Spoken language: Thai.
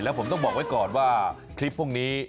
แล้วผมต้องบอกไว้ก่อนว่าคลิปพรุ่งนี้